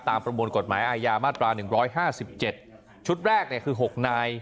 ตามประมวลกฎหมายอายามาตราหนึ่งร้อยห้าสิบเจ็ดชุดแรกเนี่ยคือหกนาย